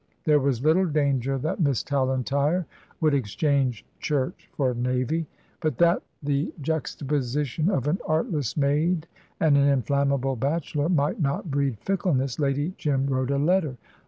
There was little danger that Miss Tallentire would exchange Church for Navy, but that the juxtaposition of an artless maid and an inflammable bachelor might not breed fickleness, Lady Jim wrote a letter.